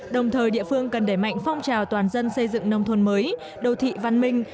đồng thời địa phương cần đẩy mạnh phong trào toàn dân xây dựng nông thôn mới đô thị văn minh